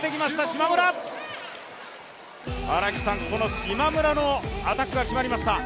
島村のアタックが決まりました。